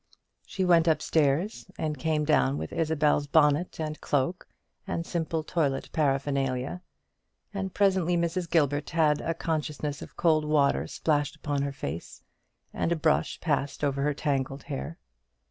She went up stairs, and came down with Isabel's bonnet and cloak and simple toilet paraphernalia; and presently Mrs. Gilbert had a consciousness of cold water splashed upon her face, and a brush passed over her tangled hair.